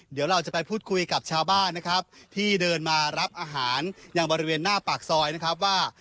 เดี๋ยวเราจะไปพูดคุยกับชาวบ้านนะครับที่เดินมารับอาหารยังบริเวณหน้าปากซอยนะครับว่า